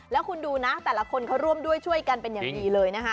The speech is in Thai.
แล้วคุณดูนะแต่ละคนเขาร่วมด้วยช่วยกันเป็นอย่างดีเลยนะคะ